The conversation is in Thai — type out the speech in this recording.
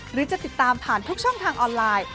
หรือจะติดตามผ่านทุกช่องทางออนไลน์